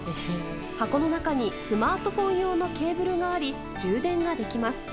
箱の中にスマートフォン用のケーブルがあり充電ができます。